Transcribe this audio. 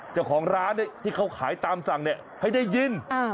เจ้าของร้านที่เขาขายตามสั่งเนี่ยให้ได้ยิน